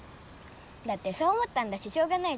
だってそう思ったんだししょうがないじゃん。